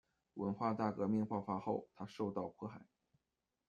文化大革命爆发后，他受到迫害。